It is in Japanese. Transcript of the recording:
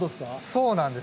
そうなんです。